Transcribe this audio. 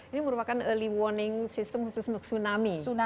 ini merupakan early warning system khusus untuk tsunami